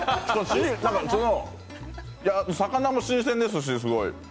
魚も新鮮ですし、すごい。